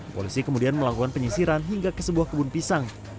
polisi kemudian melakukan penyisiran hingga ke sebuah kebun pisang